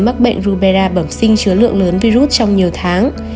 mắc bệnh rubela bẩm sinh chứa lượng lớn virus trong nhiều tháng